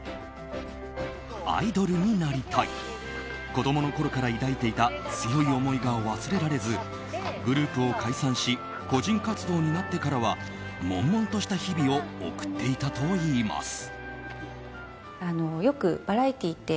子供のころから抱いていた強い思いが忘れられずグループを解散し個人活動になってからは悶々とした日々を送っていたといいます。